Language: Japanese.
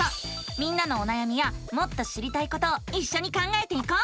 みんなのおなやみやもっと知りたいことをいっしょに考えていこう！